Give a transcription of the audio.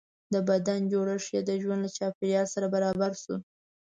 د بدن جوړښت یې د ژوند له چاپېریال سره برابر شو.